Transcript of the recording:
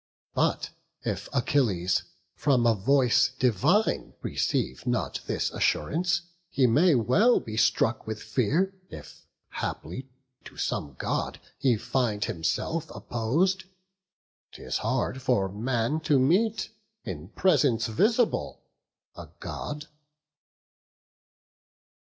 But if Achilles from a voice divine Receive not this assurance, he may well Be struck with fear, if haply to some God He find himself oppos'd: 'tis hard for man To meet, in presence visible, a God."